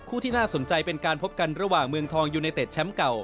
ที่น่าสนใจเป็นการพบกันระหว่างเมืองทองยูเนเต็ดแชมป์เก่า